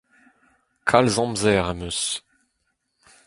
Kalz amzer am eus.